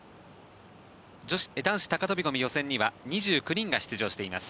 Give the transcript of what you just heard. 男子高飛込予選には２２人が出場しています。